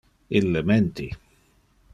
Ille menti.